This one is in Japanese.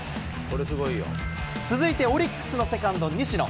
続いてオリックスのセカンド、西野。